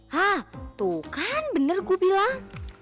hah tuh kan bener gue bilang